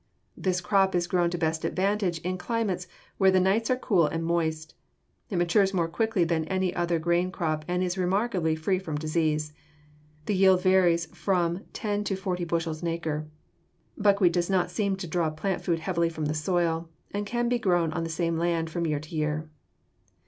This crop is grown to best advantage in climates where the nights are cool and moist. It matures more quickly than any other grain crop and is remarkably free from disease. The yield varies from ten to forty bushels an acre. Buckwheat does not seem to draw plant food heavily from the soil and can be grown on the same land from year to year.